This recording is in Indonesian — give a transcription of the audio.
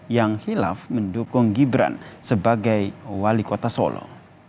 yang hilaf mendukung gibran sebagai wali kota solo